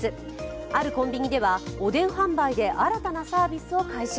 あるコンビニでは、おでん販売で新たなサービスを開始。